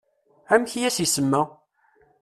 Amek i as-isema?